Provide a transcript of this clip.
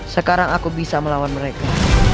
sekarang aku bisa melawan mereka